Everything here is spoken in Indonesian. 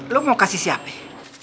lo mau kasih siapa